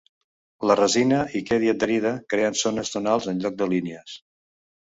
La resina hi quedi adherida, creant zones tonals en lloc de línies.